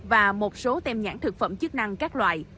và một số tem nhãn thực phẩm chức năng các loại